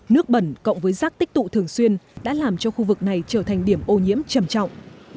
nước bẩn cộng với rác tích tụ thường xuyên đã làm cho khu vực này trở thành điểm ô nhiễm trầm trọng